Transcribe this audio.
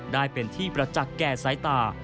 ได้เป็นที่ประจักษ์แก่สายตา